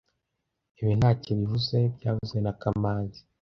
Ibi ntacyo bivuze byavuzwe na kamanzi